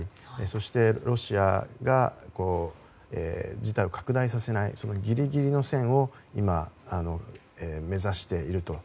そしてロシアが事態を拡大させないそのギリギリの線を今、目指していると。